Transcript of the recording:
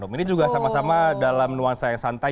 ini juga sama sama dalam nuansa yang santai